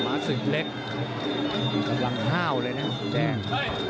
ม้าสึกเล็กลำพร่าวเลยนะแดง